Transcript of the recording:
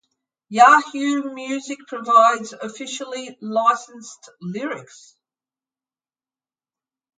Yahoo Music provides officially licensed lyrics.